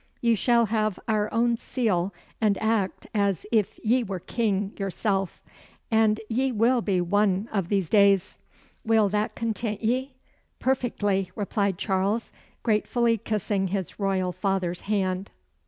Ye shall have our ain seal, and act as if ye were King yersel' as ye will be ane of these days. Will that content ye?" "Perfectly," replied Charles, gratefully kissing his royal father's hand.